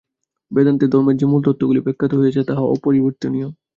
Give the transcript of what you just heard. বেদান্তে ধর্মের যে মূল তত্ত্বগুলি ব্যাখ্যাত হইয়াছে, তাহা অপরিবর্তনীয়।